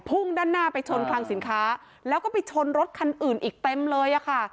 พุ่งด้านหน้าไปชนคลังสินค้าแล้วก็ไปชนรถคันอื่นอีกเต็มเลยอะค่ะ